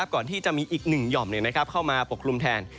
ก่อนที่จะมีอีก๑หย่อมเข้ามาปกคลุมแทน